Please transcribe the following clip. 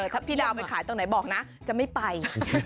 ถ้าพี่ดาวไปขายตรงไหนบอกนะจะไม่ไป